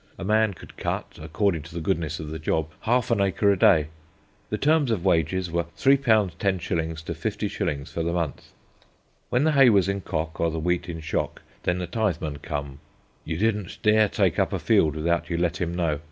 A man could cut according to the goodness of the job, half an acre a day. The terms of wages were _£_3 10_s._ to 50_s._ for the month. "When the hay was in cock or the wheat in shock, then the Titheman come; you didn't dare take up a field without you let him know.